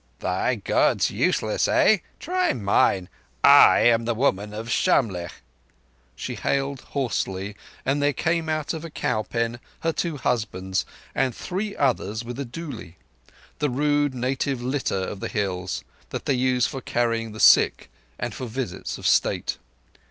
"Thy Gods useless, heh? Try mine. I am the Woman of Shamlegh." She hailed hoarsely, and there came out of a cow pen her two husbands and three others with a dooli, the rude native litter of the Hills, that they use for carrying the sick and for visits of state.